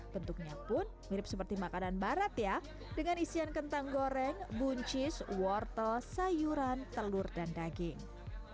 bentuknya pun mirip seperti makanan barat ya dengan isian kentang goreng buncis wortel sayuran telur dan daging